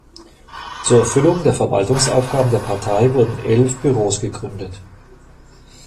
Zur Erfüllung der Verwaltungsaufgaben der Partei wurden elf Büros gegründet.